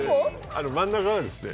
あの真ん中がですね